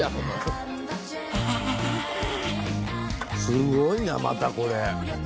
すごいなまたこれ。